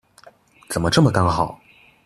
怎麼這麼剛好